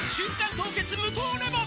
凍結無糖レモン」